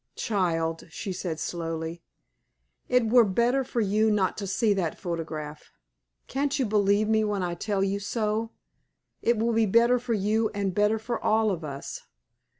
"Child," she said, slowly, "it were better for you not to see that photograph. Can't you believe me when I tell you so. It will be better for you and better for all of us.